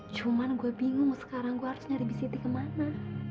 cuman gue bingung sekarang gue harus nyari bisnis kemana